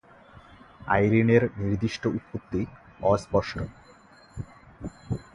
আইরিনের নির্দিষ্ট উৎপত্তি অস্পষ্ট।